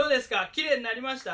きれいになりました？